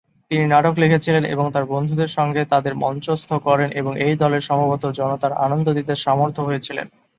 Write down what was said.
তিনি নাটক লিখেছেন এবং তার বন্ধুদের সঙ্গে তাদের মঞ্চস্থ করেন এবং এই দলের সম্ভবত জনতার আনন্দ দিতে সামর্থ্য হয়েছিল।